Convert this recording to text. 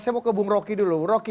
saya mau ke bung roky dulu rocky